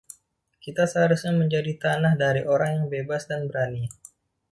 Kita seharusnya menjadi tanah dari orang yang bebas dan berani.